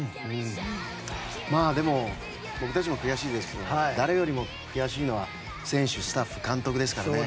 でも、僕たちも悔しいですけれども誰よりも悔しいのは選手、スタッフ監督ですからね。